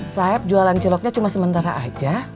sayap jualan celoknya cuma sementara aja